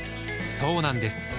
そうなんです